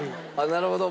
なるほど。